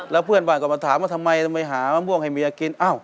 แล้วเพื่อนบ้านก็มาถามว่าทำไมทำไมหามะม่วงให้เมียกิน